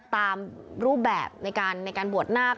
ตามรูปแบบในการบวชนาค